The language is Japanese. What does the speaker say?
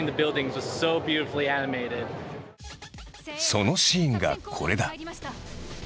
そのシーンがこれだ。